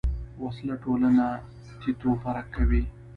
وسله ټولنه تیت و پرک کوي